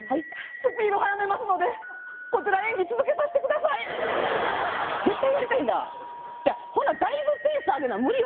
スピード速めますのでこちら演技続けさせてください絶対やりたいんだほなだいぶペース上げな無理よ